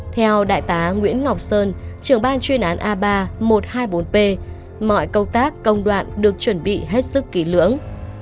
theo đại tá nguyễn ngọc sơn trưởng ban chuyên án a ba một trăm hai mươi bốn p mọi công tác công đoạn được chuẩn bị hết sức kỳ lưỡng